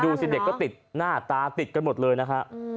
ดูสิเด็กก็ติดหน้าตาติดกันหมดเลยนะครับ